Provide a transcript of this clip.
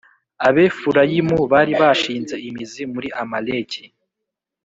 Abefurayimu bari bashinze imizi muri Amaleki